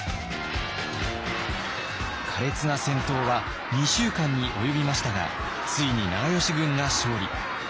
苛烈な戦闘は２週間に及びましたがついに長慶軍が勝利。